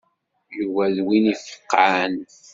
Yuba d win ifeqqɛen.